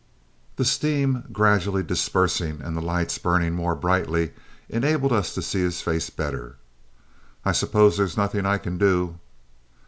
The steam gradually dispersing and the lights burning more brightly, enabled us to see his face better. "I suppose there's nothing I can do?"